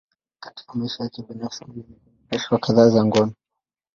Katika maisha yake binafsi, Kelly amekuwa na kashfa kadhaa za ngono.